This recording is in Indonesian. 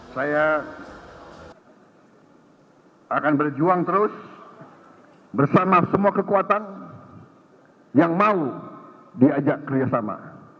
saya akan berjuang terus bersama semua kekuatan yang mau diajak kerjasama